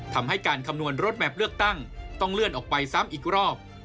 ทำให้การคำนวณรถแมพเลือกตั้งต้องเลื่อนออกไปซ้ำอีกรอบ